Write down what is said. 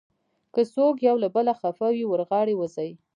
که څوک یو له بله خفه وي، ور غاړې وځئ.